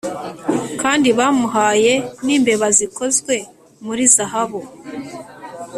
kandi bamuhaye n'imbeba zikozwe muri zahabu